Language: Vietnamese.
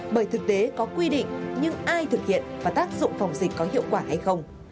bởi thực tế có quy định nhưng ai thực hiện và tác dụng phòng dịch có hiệu quả hay không